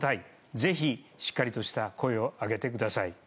ぜひ、しっかりとした声を上げてください。